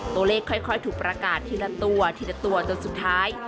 ค่อยถูกประกาศทีละตัวทีละตัวจนสุดท้าย